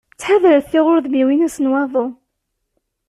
Ttḥadaret tiɣurdmiwin ass n waḍu.